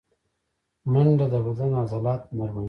منډه د بدن عضلات نرموي